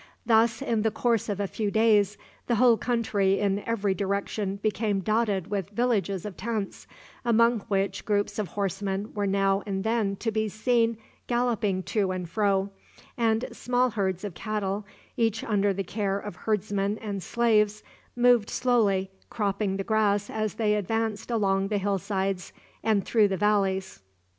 Thus, in the course of a few days, the whole country in every direction became dotted with villages of tents, among which groups of horsemen were now and then to be seen galloping to and fro, and small herds of cattle, each under the care of herdsmen and slaves, moved slowly, cropping the grass as they advanced along the hill sides and through the valleys.